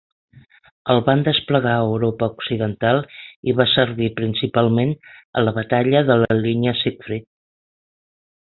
El van desplegar a Europa Occidental i va servir principalment a la Batalla de la línia Sigfrid.